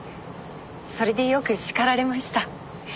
それでよく叱られました。